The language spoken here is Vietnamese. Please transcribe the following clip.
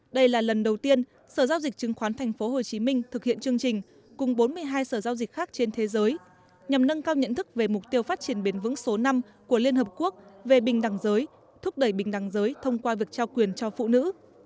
đây là lần đầu tiên sở giao dịch chứng khoán tp hcm thực hiện chương trình cùng bốn mươi hai sở giao dịch khác trên thế giới nhằm nâng cao nhận thức về mục tiêu phát triển bền vững số năm của liên hợp quốc về bình đẳng giới thúc đẩy bình đẳng giới thông qua việc trao quyền cho phụ nữ